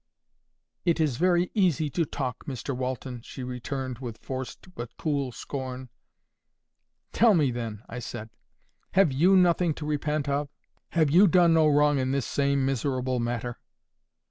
"It is very easy to talk, Mr Walton," she returned with forced but cool scorn. "Tell me, then," I said, "have YOU nothing to repent of? Have YOU done no wrong in this same miserable matter?"